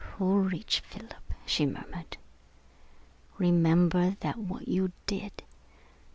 "Courage, Philip," she murmured. "Remember that what you did